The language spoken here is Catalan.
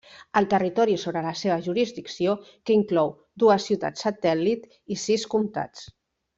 El territori sota la seva jurisdicció, que inclou dues ciutats satèl·lit i sis comtats.